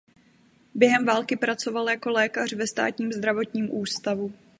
Během války pracoval jako lékař ve Státním zdravotním ústavu.